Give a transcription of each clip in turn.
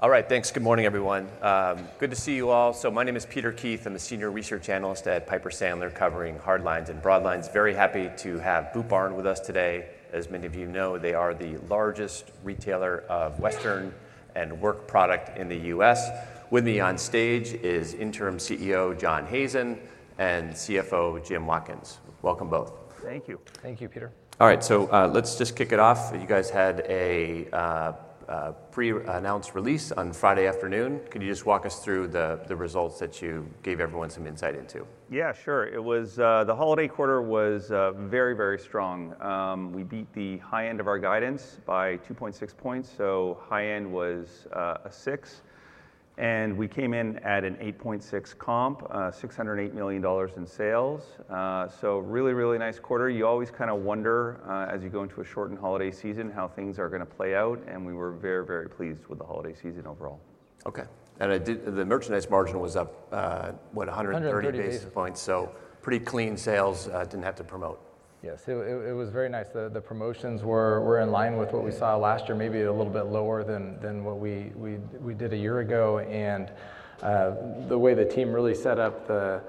All right, thanks. Good morning, everyone. Good to see you all. So my name is Peter Keith. I'm a senior research analyst at Piper Sandler covering Hardlines and Broadlines. Very happy to have Boot Barn with us today. As many of you know, they are the largest retailer of Western and work product in the U.S. With me on stage is Interim CEO John Hazen and CFO Jim Watkins. Welcome both. Thank you. Thank you, Peter. All right, so let's just kick it off. You guys had a pre-announced release on Friday afternoon. Could you just walk us through the results that you gave everyone some insight into? Yeah, sure. The holiday quarter was very, very strong. We beat the high end of our guidance by 2.6 points. So high end was a 6. And we came in at an 8.6 comp, $608 million in sales. So really, really nice quarter. You always kind of wonder as you go into a shortened holiday season how things are going to play out. And we were very, very pleased with the holiday season overall. OK, and the merchandise margin was up, what, 130 basis points? So pretty clean sales, didn't have to promote. Yes, it was very nice. The promotions were in line with what we saw last year, maybe a little bit lower than what we did a year ago. The way the team really set up the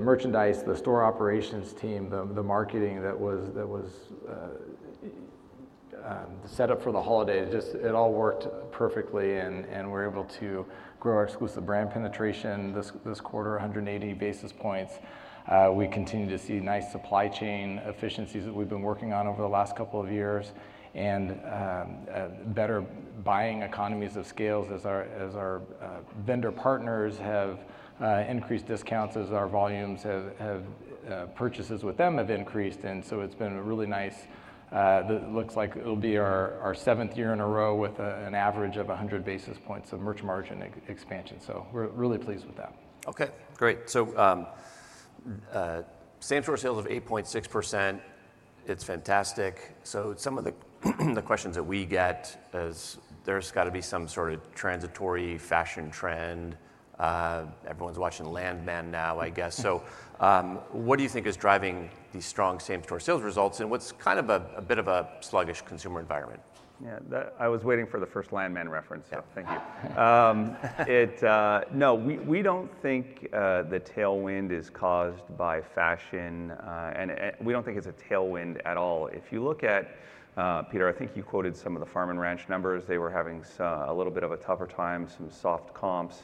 merchandise, the store operations team, the marketing that was set up for the holiday, it all worked perfectly. We're able to grow our exclusive brand penetration this quarter, 180 basis points. We continue to see nice supply chain efficiencies that we've been working on over the last couple of years. Better buying economies of scale as our vendor partners have increased discounts, as our volumes of purchases with them have increased. It's been a really nice. It looks like it'll be our seventh year in a row with an average of 100 basis points of merch margin expansion. We're really pleased with that. OK, great. So same store sales of 8.6%. It's fantastic. So some of the questions that we get is there's got to be some sort of transitory fashion trend. Everyone's watching Landman now, I guess. So what do you think is driving these strong same store sales results? And what's kind of a bit of a sluggish consumer environment? Yeah, I was waiting for the first Landman reference. So thank you. No, we don't think the tailwind is caused by fashion. And we don't think it's a tailwind at all. If you look at, Peter, I think you quoted some of the farm and ranch numbers. They were having a little bit of a tougher time, some soft comps.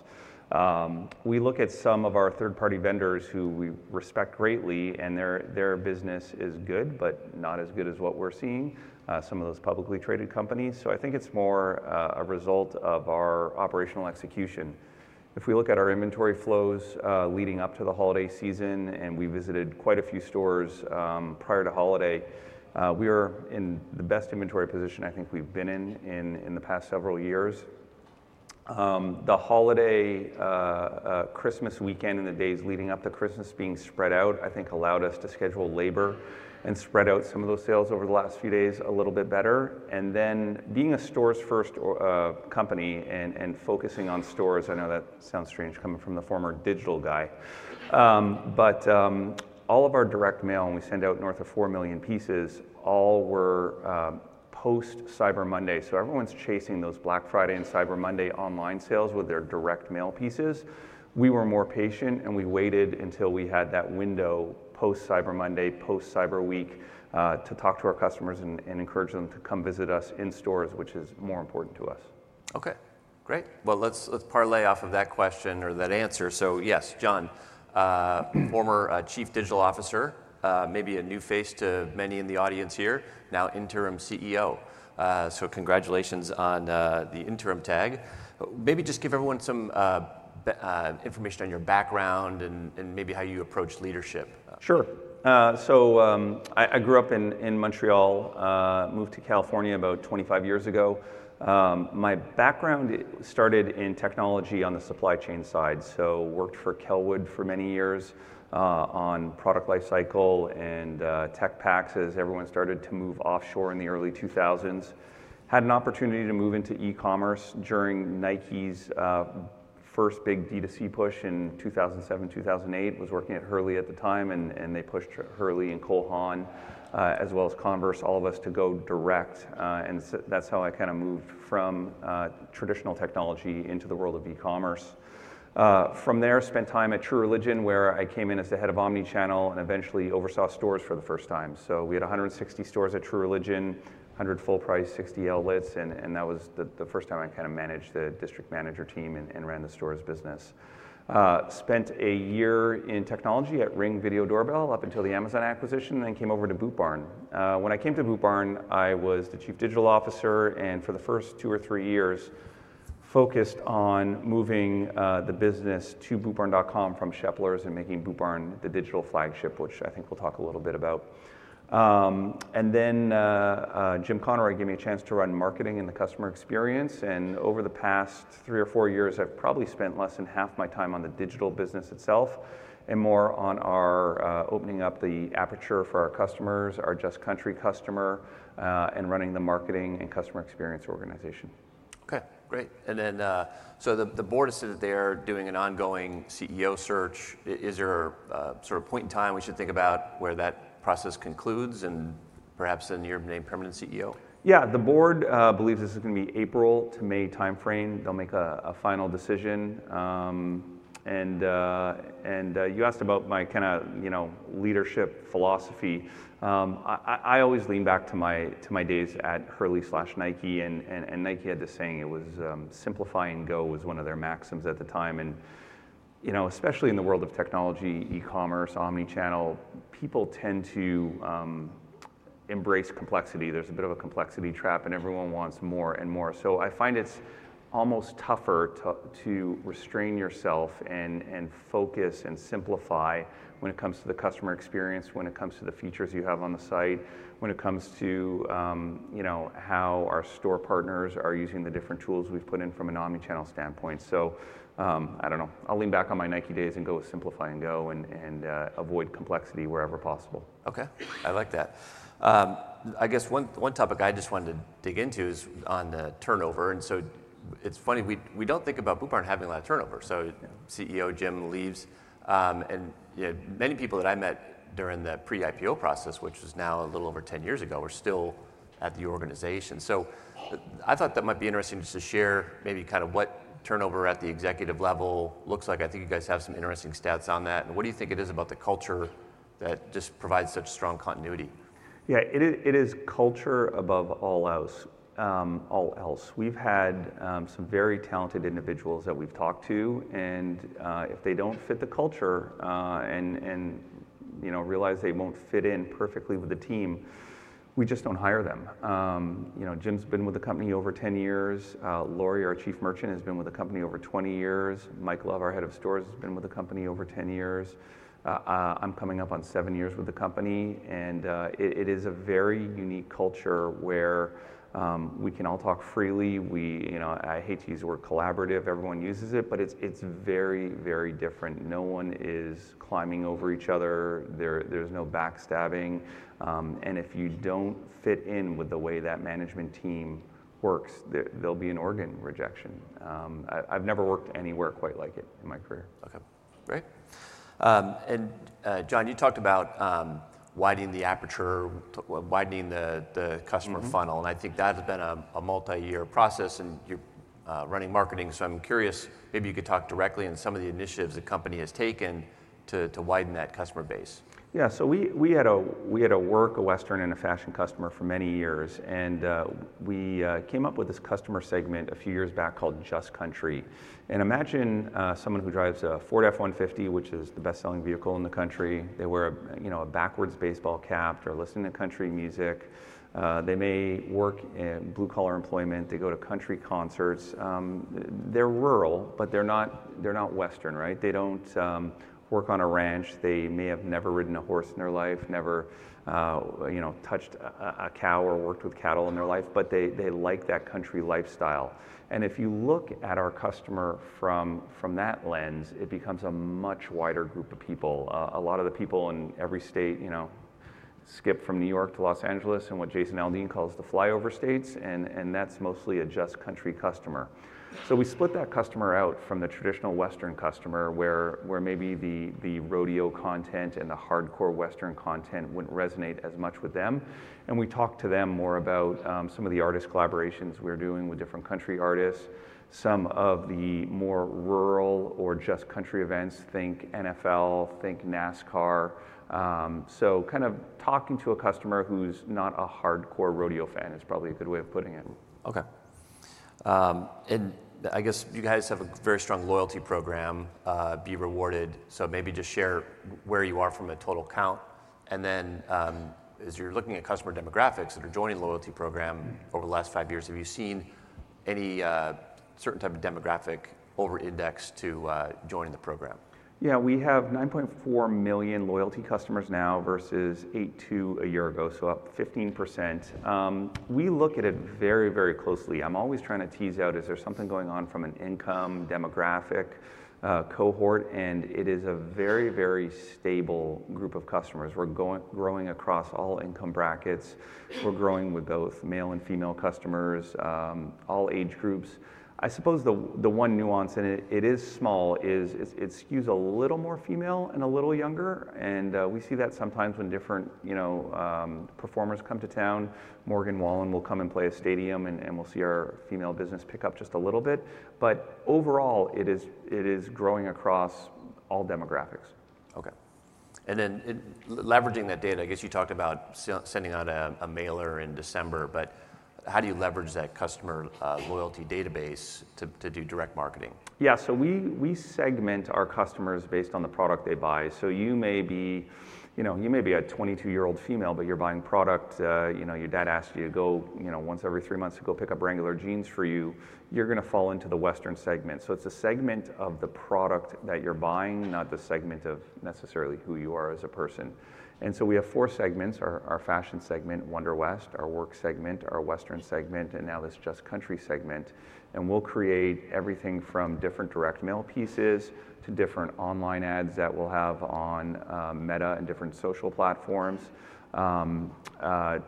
We look at some of our third-party vendors who we respect greatly. And their business is good, but not as good as what we're seeing, some of those publicly traded companies. So I think it's more a result of our operational execution. If we look at our inventory flows leading up to the holiday season, and we visited quite a few stores prior to holiday, we are in the best inventory position I think we've been in in the past several years. The holiday Christmas weekend and the days leading up to Christmas being spread out, I think, allowed us to schedule labor and spread out some of those sales over the last few days a little bit better. And then being a stores-first company and focusing on stores, I know that sounds strange coming from the former digital guy. But all of our direct mail, and we send out north of four million pieces, all were post-Cyber Monday. So everyone's chasing those Black Friday and Cyber Monday online sales with their direct mail pieces. We were more patient. And we waited until we had that window post-Cyber Monday, post-Cyber Week to talk to our customers and encourage them to come visit us in stores, which is more important to us. OK, great. Let's parlay off of that question or that answer. Yes, John, former Chief Digital Officer, maybe a new face to many in the audience here, now Interim CEO. Congratulations on the interim tag. Maybe just give everyone some information on your background and maybe how you approach leadership. Sure. So I grew up in Montreal, moved to California about 25 years ago. My background started in technology on the supply chain side. So worked for Kellwood for many years on product lifecycle and tech packs as everyone started to move offshore in the early 2000s. Had an opportunity to move into e-commerce during Nike's first big D2C push in 2007, 2008. Was working at Hurley at the time. And they pushed Hurley and Cole Haan, as well as Converse, all of us to go direct. And that's how I kind of moved from traditional technology into the world of e-commerce. From there, spent time at True Religion, where I came in as the head of omnichannel and eventually oversaw stores for the first time. So we had 160 stores at True Religion, 100 full-price, 60 outlets. And that was the first time I kind of managed the district manager team and ran the stores business. Spent a year in technology at Ring Video Doorbell up until the Amazon acquisition, then came over to Boot Barn. When I came to Boot Barn, I was the chief digital officer. And for the first two or three years, focused on moving the business to bootbarn.com from Sheplers and making Boot Barn the digital flagship, which I think we'll talk a little bit about. And then Jim Conroy gave me a chance to run marketing and the customer experience. And over the past three or four years, I've probably spent less than half my time on the digital business itself and more on our opening up the aperture for our customers, our Just Country customer, and running the marketing and customer experience organization. OK, great, and then so the board has said that they're doing an ongoing CEO search. Is there a sort of point in time we should think about where that process concludes and perhaps a near-term permanent CEO? Yeah, the board believes this is going to be April to May time frame. They'll make a final decision. And you asked about my kind of leadership philosophy. I always lean back to my days at Hurley/Nike. And Nike had the saying, simplify and go was one of their maxims at the time. And especially in the world of technology, e-commerce, omnichannel, people tend to embrace complexity. There's a bit of a complexity trap. And everyone wants more and more. So I find it's almost tougher to restrain yourself and focus and simplify when it comes to the customer experience, when it comes to the features you have on the site, when it comes to how our store partners are using the different tools we've put in from an omnichannel standpoint. So I don't know. I'll lean back on my Nike days and go with simplify and go and avoid complexity wherever possible. OK, I like that. I guess one topic I just wanted to dig into is on the turnover. It's funny, we don't think about Boot Barn having a lot of turnover. CEO Jim leaves. Many people that I met during the pre-IPO process, which was now a little over 10 years ago, are still at the organization. I thought that might be interesting just to share maybe kind of what turnover at the executive level looks like. I think you guys have some interesting stats on that. What do you think it is about the culture that just provides such strong continuity? Yeah, it is culture above all else. We've had some very talented individuals that we've talked to. And if they don't fit the culture and realize they won't fit in perfectly with the team, we just don't hire them. Jim's been with the company over 10 years. Laurie, our chief merchant, has been with the company over 20 years. Mike Love, our head of stores, has been with the company over 10 years. I'm coming up on seven years with the company. And it is a very unique culture where we can all talk freely. I hate to use the word collaborative. Everyone uses it. But it's very, very different. No one is climbing over each other. There's no backstabbing. And if you don't fit in with the way that management team works, there'll be an organ rejection. I've never worked anywhere quite like it in my career. OK, great. And John, you talked about widening the aperture, widening the customer funnel. And I think that has been a multi-year process. And you're running marketing. So I'm curious, maybe you could talk directly on some of the initiatives the company has taken to widen that customer base? Yeah, so we had a work, a Western, and a fashion customer for many years. And we came up with this customer segment a few years back called Just Country. And imagine someone who drives a Ford F-150, which is the best-selling vehicle in the country. They wear a backwards baseball cap. They're listening to country music. They may work in blue-collar employment. They go to country concerts. They're rural, but they're not Western, right? They don't work on a ranch. They may have never ridden a horse in their life, never touched a cow or worked with cattle in their life. But they like that country lifestyle. And if you look at our customer from that lens, it becomes a much wider group of people. A lot of the people in every state skip from New York to Los Angeles in what Jason Aldean calls the flyover states. That's mostly a Just Country customer. We split that customer out from the traditional Western customer where maybe the rodeo content and the hardcore Western content wouldn't resonate as much with them. We talk to them more about some of the artist collaborations we're doing with different country artists. Some of the more rural or Just Country events, think NFL, think NASCAR. Kind of talking to a customer who's not a hardcore rodeo fan is probably a good way of putting it. Okay. And I guess you guys have a very strong loyalty program, B Rewarded. So maybe just share where you are from a total count. And then as you're looking at customer demographics that are joining the loyalty program over the last five years, have you seen any certain type of demographic over-index to join the program? Yeah, we have 9.4 million loyalty customers now versus 8.2 a year ago, so up 15%. We look at it very, very closely. I'm always trying to tease out, is there something going on from an income demographic cohort? And it is a very, very stable group of customers. We're growing across all income brackets. We're growing with both male and female customers, all age groups. I suppose the one nuance, and it is small, is it skews a little more female and a little younger. And we see that sometimes when different performers come to town. Morgan Wallen will come and play a stadium. And we'll see our female business pick up just a little bit. But overall, it is growing across all demographics. OK, and then leveraging that data, I guess you talked about sending out a mailer in December. But how do you leverage that customer loyalty database to do direct marketing? Yeah, so we segment our customers based on the product they buy. So you may be a 22-year-old female, but you're buying product. Your dad asked you to go once every three months to go pick up regular jeans for you. You're going to fall into the Western segment. So it's a segment of the product that you're buying, not the segment of necessarily who you are as a person. And so we have four segments: our fashion segment, Wonderwest, our work segment, our Western segment, and now this Just Country segment. And we'll create everything from different direct mail pieces to different online ads that we'll have on Meta and different social platforms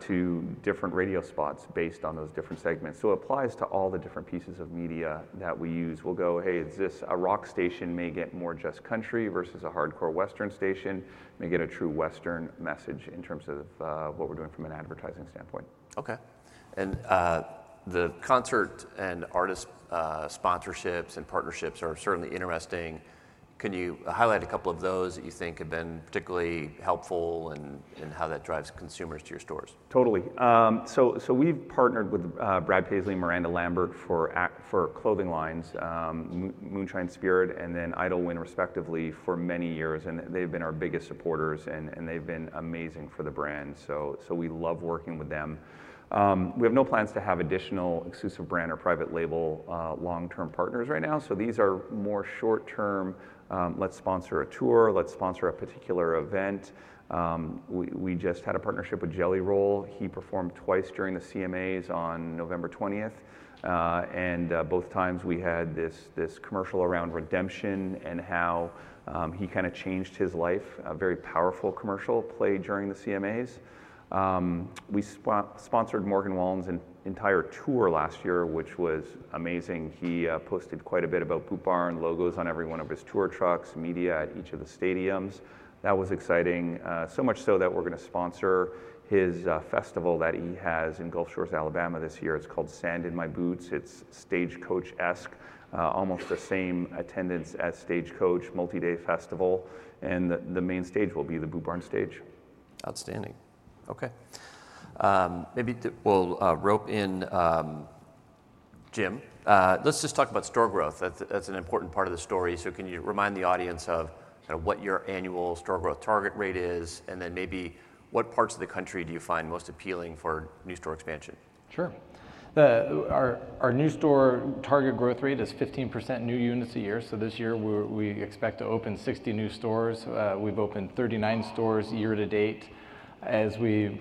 to different radio spots based on those different segments. So it applies to all the different pieces of media that we use. We'll go, "Hey, is this a rock station?" may get more Just Country versus a hardcore Western station may get a true Western message in terms of what we're doing from an advertising standpoint. OK. And the concert and artist sponsorships and partnerships are certainly interesting. Can you highlight a couple of those that you think have been particularly helpful and how that drives consumers to your stores? Totally. So we've partnered with Brad Paisley and Miranda Lambert for clothing lines, Moonshine Spirit, and then Idyllwind, respectively, for many years. And they've been our biggest supporters. And they've been amazing for the brand. So we love working with them. We have no plans to have additional exclusive brand or private label long-term partners right now. So these are more short-term. Let's sponsor a tour. Let's sponsor a particular event. We just had a partnership with Jelly Roll. He performed twice during the CMAs on November 20. And both times, we had this commercial around redemption and how he kind of changed his life, a very powerful commercial played during the CMAs. We sponsored Morgan Wallen's entire tour last year, which was amazing. He posted quite a bit about Boot Barn, logos on every one of his tour trucks, media at each of the stadiums. That was exciting, so much so that we're going to sponsor his festival that he has in Gulf Shores, Alabama, this year. It's called Sand In My Boots. It's Stagecoach-esque, almost the same attendance as Stagecoach multi-day festival. And the main stage will be the Boot Barn Stage. Outstanding. OK. Maybe we'll rope in Jim. Let's just talk about store growth. That's an important part of the story. So can you remind the audience of kind of what your annual store growth target rate is? And then maybe what parts of the country do you find most appealing for new store expansion? Sure. Our new store target growth rate is 15% new units a year. So this year, we expect to open 60 new stores. We've opened 39 stores year to date. As we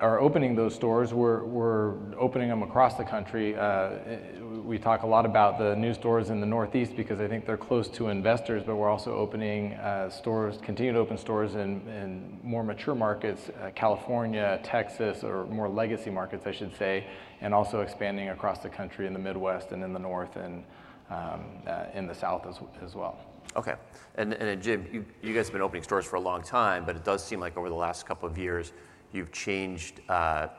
are opening those stores, we're opening them across the country. We talk a lot about the new stores in the Northeast because I think they're close to investors. But we're also opening stores, continue to open stores in more mature markets, California, Texas, or more legacy markets, I should say, and also expanding across the country in the Midwest and in the North and in the South as well. OK. And then Jim, you guys have been opening stores for a long time. But it does seem like over the last couple of years, you've changed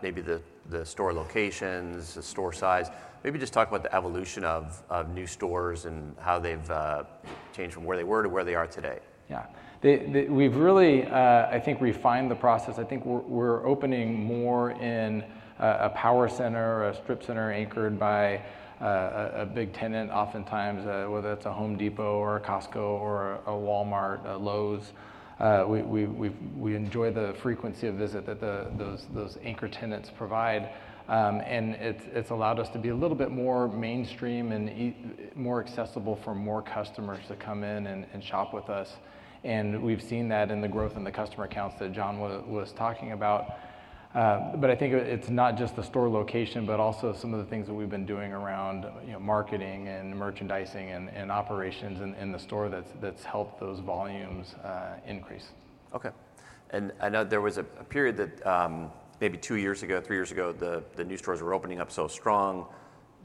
maybe the store locations, the store size. Maybe just talk about the evolution of new stores and how they've changed from where they were to where they are today. Yeah, we've really, I think, refined the process. I think we're opening more in a power center, a strip center anchored by a big tenant, oftentimes, whether that's a Home Depot or a Costco or a Walmart, a Lowe's. We enjoy the frequency of visit that those anchor tenants provide. And it's allowed us to be a little bit more mainstream and more accessible for more customers to come in and shop with us. And we've seen that in the growth in the customer counts that John was talking about. But I think it's not just the store location, but also some of the things that we've been doing around marketing and merchandising and operations in the store that's helped those volumes increase. OK. And I know there was a period that maybe two years ago, three years ago, the new stores were opening up so strong,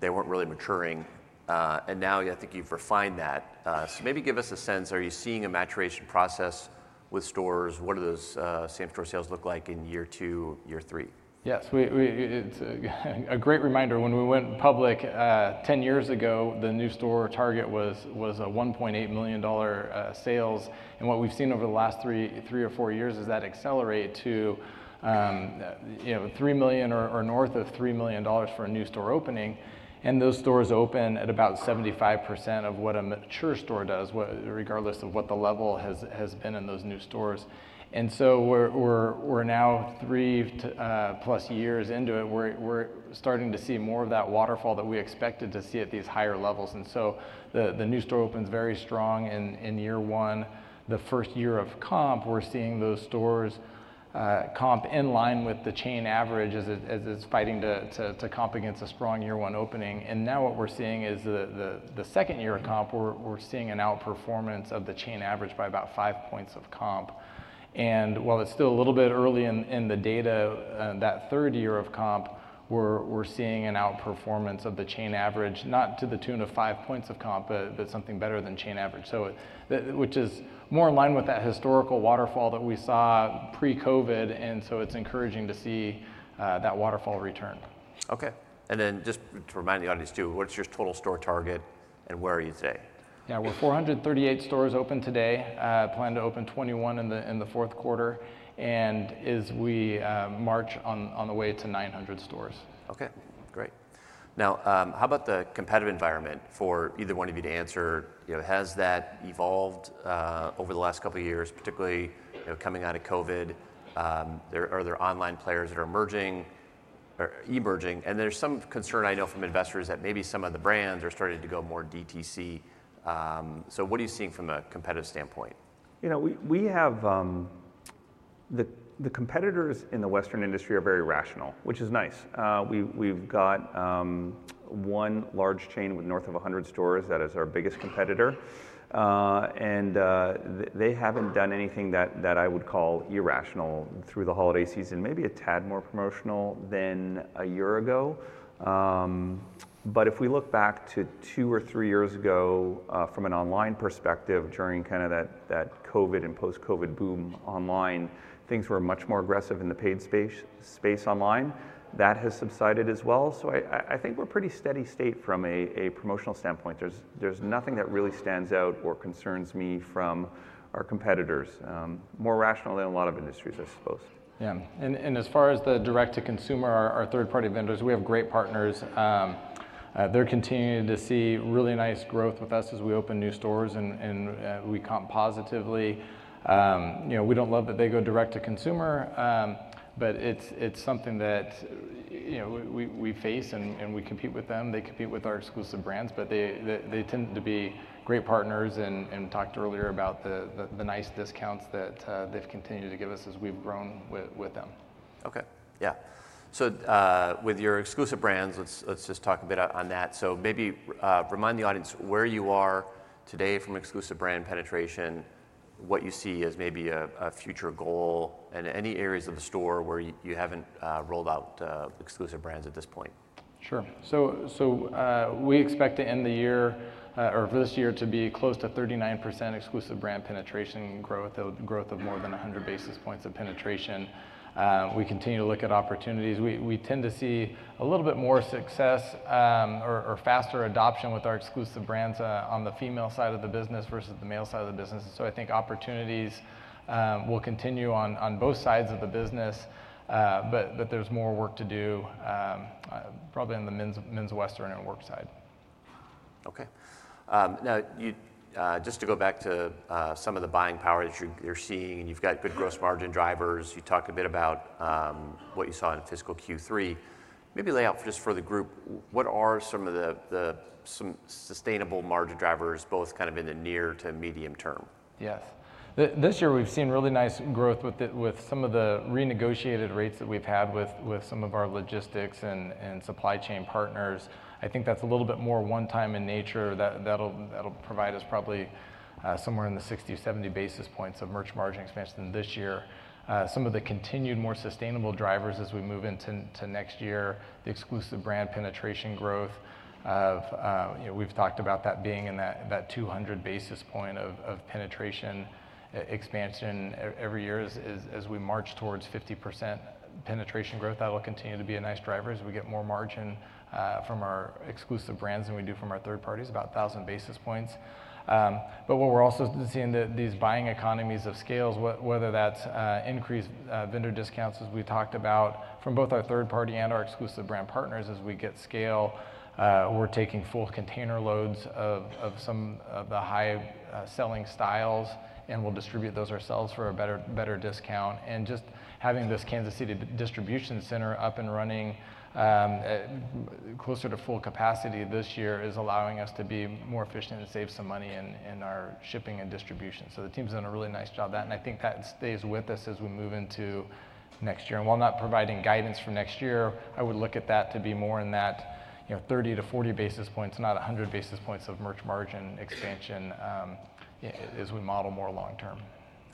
they weren't really maturing. And now I think you've refined that. So maybe give us a sense, are you seeing a maturation process with stores? What do those same store sales look like in year two, year three? Yes, it's a great reminder. When we went public 10 years ago, the new store target was $1.8 million sales. And what we've seen over the last three or four years is that accelerate to $3 million or north of $3 million for a new store opening. And those stores open at about 75% of what a mature store does, regardless of what the level has been in those new stores. And so we're now three plus years into it. We're starting to see more of that waterfall that we expected to see at these higher levels. And so the new store opens very strong in year one. The first year of comp, we're seeing those stores comp in line with the chain average as it's fighting to comp against a strong year one opening. And now what we're seeing is the second year of comp, we're seeing an outperformance of the chain average by about five points of comp. And while it's still a little bit early in the data, that third year of comp, we're seeing an outperformance of the chain average, not to the tune of five points of comp, but something better than chain average, which is more in line with that historical waterfall that we saw pre-COVID. And so it's encouraging to see that waterfall return. OK. And then just to remind the audience too, what's your total store target and where are you today? Yeah, we're 438 stores open today, plan to open 21 in the fourth quarter, and as we march on the way to 900 stores. Okay, great. Now how about the competitive environment for either one of you to answer? Has that evolved over the last couple of years, particularly coming out of COVID? Are there online players that are emerging? And there's some concern I know from investors that maybe some of the brands are starting to go more DTC. So what are you seeing from a competitive standpoint? You know, we have the competitors in the Western industry are very rational, which is nice. We've got one large chain with north of 100 stores that is our biggest competitor. And they haven't done anything that I would call irrational through the holiday season, maybe a tad more promotional than a year ago. But if we look back to two or three years ago from an online perspective during kind of that COVID and post-COVID boom online, things were much more aggressive in the paid space online. That has subsided as well. So I think we're a pretty steady state from a promotional standpoint. There's nothing that really stands out or concerns me from our competitors, more rational than a lot of industries, I suppose. Yeah. And as far as the direct-to-consumer, our third-party vendors, we have great partners. They're continuing to see really nice growth with us as we open new stores, and we comp positively. We don't love that they go direct-to-consumer, but it's something that we face and we compete with them. They compete with our exclusive brands, but they tend to be great partners, and we talked earlier about the nice discounts that they've continued to give us as we've grown with them. OK. Yeah. So with your exclusive brands, let's just talk a bit on that. So maybe remind the audience where you are today from exclusive brand penetration, what you see as maybe a future goal, and any areas of the store where you haven't rolled out exclusive brands at this point. Sure. So we expect to end the year or for this year to be close to 39% exclusive brand penetration growth, a growth of more than 100 basis points of penetration. We continue to look at opportunities. We tend to see a little bit more success or faster adoption with our exclusive brands on the female side of the business versus the male side of the business. So I think opportunities will continue on both sides of the business. But there's more work to do probably in the men's Western and work side. OK. Now just to go back to some of the buying power that you're seeing, and you've got good gross margin drivers. You talked a bit about what you saw in fiscal Q3. Maybe lay out just for the group, what are some of the sustainable margin drivers, both kind of in the near to medium term? Yes. This year, we've seen really nice growth with some of the renegotiated rates that we've had with some of our logistics and supply chain partners. I think that's a little bit more one-time in nature. That'll provide us probably somewhere in the 60-70 basis points of merch margin expansion this year. Some of the continued more sustainable drivers as we move into next year, the exclusive brand penetration growth. We've talked about that being in that 200 basis point of penetration expansion every year as we march towards 50% penetration growth. That'll continue to be a nice driver as we get more margin from our exclusive brands than we do from our third parties, about 1,000 basis points. But what we're also seeing are these buying economies of scale, whether that's increased vendor discounts, as we talked about, from both our third party and our exclusive brand partners. As we get scale, we're taking full container loads of some of the high-selling styles. And we'll distribute those ourselves for a better discount. And just having this Kansas City distribution center up and running closer to full capacity this year is allowing us to be more efficient and save some money in our shipping and distribution. So the team's done a really nice job of that. And I think that stays with us as we move into next year. And while not providing guidance for next year, I would look at that to be more in that 30 to 40 basis points, not 100 basis points of merch margin expansion as we model more long-term.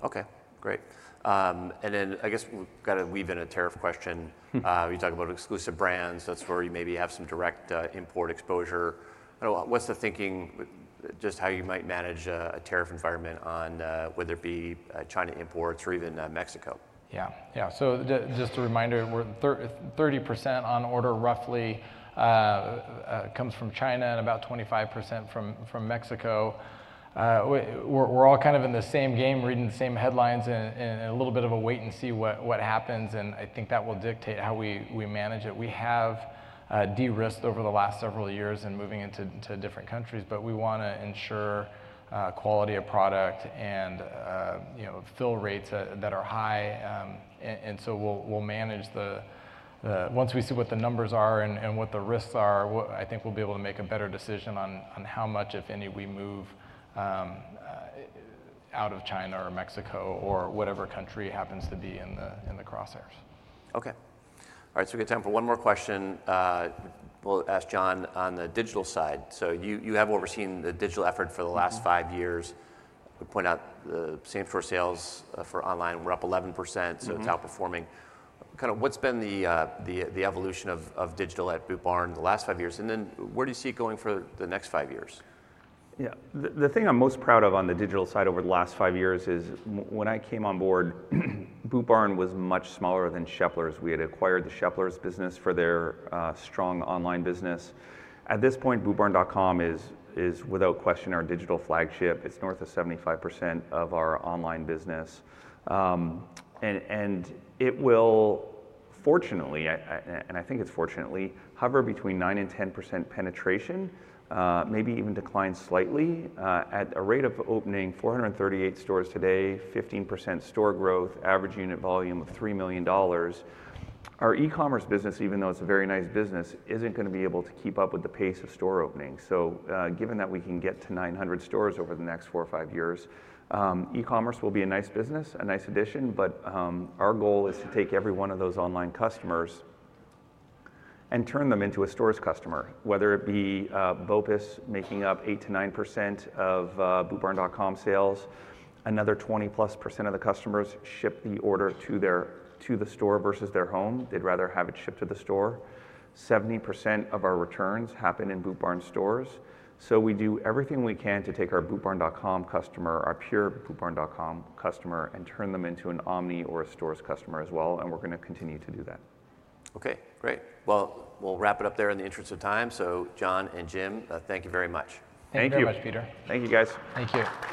OK, great. And then I guess we've got to weave in a tariff question. You talk about exclusive brands. That's where you maybe have some direct import exposure. What's the thinking, just how you might manage a tariff environment on whether it be China imports or even Mexico? Yeah, yeah. Just a reminder, 30% on order roughly comes from China and about 25% from Mexico. We're all kind of in the same game, reading the same headlines in a little bit of a wait and see what happens. I think that will dictate how we manage it. We have de-risked over the last several years in moving into different countries. We want to ensure quality of product and fill rates that are high. We'll manage it once we see what the numbers are and what the risks are. I think we'll be able to make a better decision on how much, if any, we move out of China or Mexico or whatever country happens to be in the crosshairs. Okay. All right, so we've got time for one more question. We'll ask John on the digital side. So you have overseen the digital effort for the last five years. We point out the same store sales for online, we're up 11%. So it's outperforming. Kind of what's been the evolution of digital at Boot Barn the last five years? And then where do you see it going for the next five years? Yeah. The thing I'm most proud of on the digital side over the last five years is when I came on board, Boot Barn was much smaller than Sheplers. We had acquired the Sheplers business for their strong online business. At this point, bootbarn.com is, without question, our digital flagship. It's north of 75% of our online business. And it will, fortunately, and I think it's fortunately, hover between 9%-10% penetration, maybe even decline slightly at a rate of opening 438 stores today, 15% store growth, average unit volume of $3 million. Our e-commerce business, even though it's a very nice business, isn't going to be able to keep up with the pace of store openings. So given that we can get to 900 stores over the next four or five years, e-commerce will be a nice business, a nice addition. But our goal is to take every one of those online customers and turn them into a stores customer, whether it be BOPIS making up 8%-9% of bootbarn.com sales, another 20% plus of the customers ship the order to the store versus their home. They'd rather have it shipped to the store. 70% of our returns happen in Boot Barn stores. So we do everything we can to take our bootbarn.com customer, our pure bootbarn.com customer, and turn them into an omni or a stores customer as well. And we're going to continue to do that. OK, great. Well, we'll wrap it up there in the interest of time. So John and Jim, thank you very much. Thank you. Thank you. Thank you, guys. Thank you.